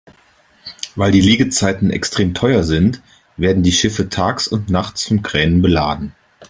Weil die Liegezeiten extrem teuer sind, werden die Schiffe tags und nachts von Kränen beladen.